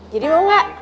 jadi mau gak